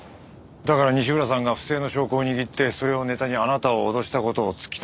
だから西浦さんが不正の証拠を握ってそれをネタにあなたを脅した事を突き止めた。